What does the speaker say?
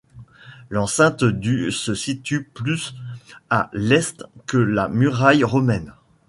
L'enceinte du se situe plus à l'est que la muraille romaine.